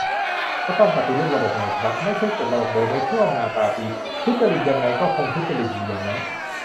ก็ต้องปฏิรูประบบไงครับ ไม่ใช่เก็บระบบเดิมไว้ชั่วนาตาปี ทุจริตยังไงก็คงทุจริตอยู่อย่างนั้น